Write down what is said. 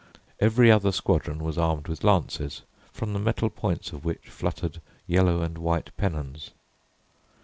Every other squadron was armed with lances, from the metal points of which fluttered yellow and white pennons.